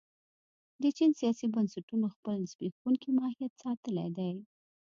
د چین سیاسي بنسټونو خپل زبېښونکی ماهیت ساتلی دی.